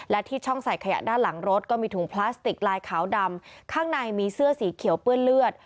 และที่ช่องใส่ขยะด้านหลังรถก็มีถุงพลาสติกลายขาวดำข้างในมีเสื้อสีเขียวเปื้อนเลือด